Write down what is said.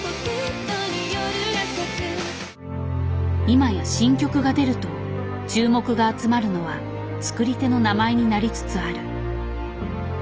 今や新曲が出ると注目が集まるのは作り手の名前になりつつある。